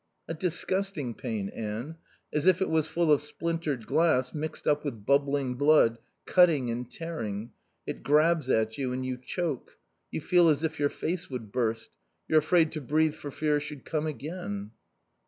"A disgusting pain, Anne. As if it was full of splintered glass, mixed up with bubbling blood, cutting and tearing. It grabs at you and you choke; you feel as if your face would burst. You're afraid to breathe for fear it should come again."